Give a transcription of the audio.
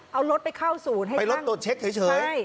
เอารถไปเข้าศูนย์ไปรถโดนเช็คเฉย